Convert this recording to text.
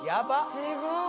すごーい